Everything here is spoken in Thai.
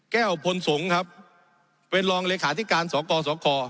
แก้วพลสงครับเป็นรองเลขาธิการส่อกอส่อคอ